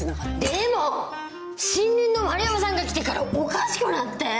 でも新任の丸山さんが来てからおかしくなって。